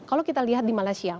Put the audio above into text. kalau kita lihat di malaysia